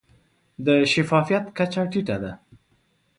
د شفافیت کچه ټیټه ده.